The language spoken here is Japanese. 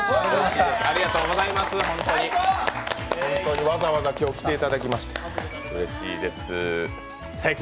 本当にわざわざ今日は来ていただきましてうれしいです。